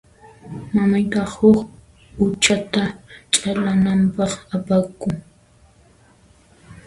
Mamayqa huk uhata chhalananpaq apakun.